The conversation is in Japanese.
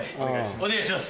お願いします。